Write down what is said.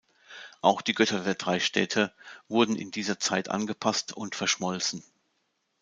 Auch die Götter der drei Städte wurden in dieser Zeit angepasst und verschmolzen.